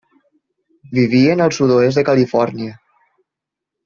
Vivien al sud-oest de Califòrnia.